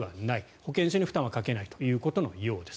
保健所に負担はかけないということのようです。